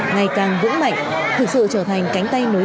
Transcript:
ngày càng vững mạnh thực sự trở thành cánh tay nổi